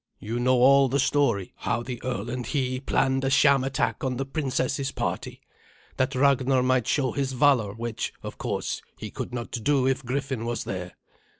You know all the story how the earl and he planned a sham attack on the princess's party, that Ragnar might show his valour, which, of course, he could not do if Griffin was there.